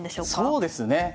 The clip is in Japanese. あっそうですね